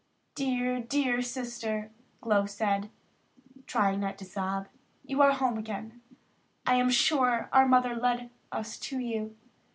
"Dear, dear Sister," Glow said, trying not to sob, "you are home again. I am sure that our mother led us to you.